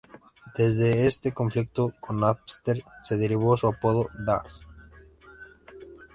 De este conflicto con Napster se derivó su apodo "Lar$".